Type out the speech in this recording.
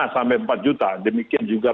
lima sampai empat juta demikian juga